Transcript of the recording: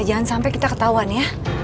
jangan sampai kita ketahuan ya